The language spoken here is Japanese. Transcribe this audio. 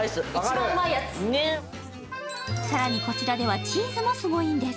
更にこちらではチーズもすごいんです。